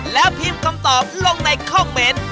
แล้วพิมพ์คำตอบลงในคอมเมนต์